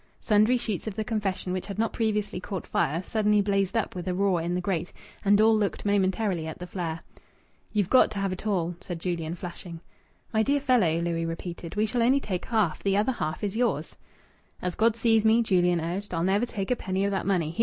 Sundry sheets of the confession, which had not previously caught fire, suddenly blazed up with a roar in the grate, and all looked momentarily at the flare. "You've got to have it all!" said Julian, flushing. "My dear fellow," Louis repeated, "we shall only take half. The other half's yours." "As God sees me," Julian urged, "I'll never take a penny of that money!